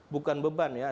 bukan beban ya